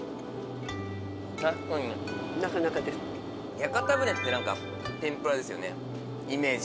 屋形船って何か天ぷらですよねイメージ。